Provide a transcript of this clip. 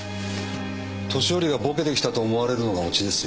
年寄りがボケてきたと思われるのがオチですよ。